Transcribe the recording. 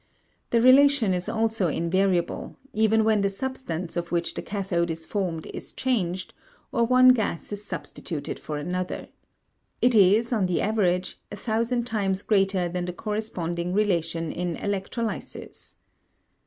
The relation is also invariable, even when the substance of which the cathode is formed is changed or one gas is substituted for another. It is, on the average, a thousand times greater than the corresponding relation in electrolysis.